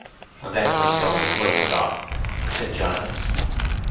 "Bless my soul, I'd quite forgot," said Giles.